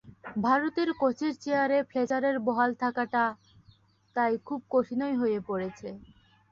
ভারতের কোচের চেয়ারে ফ্লেচারের বহাল থাকাটা তাই খুব কঠিনই হয়ে পড়েছে।